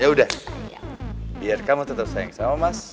yaudah biar kamu tetap sayang sama mas